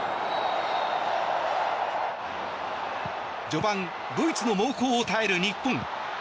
序盤ドイツの猛攻を耐える日本。